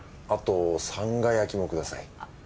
あとさんが焼きもください。